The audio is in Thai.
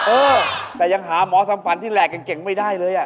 เออแต่ยังหาหมอทำฝันที่แหลกเก่งไม่ได้เลยอ่ะ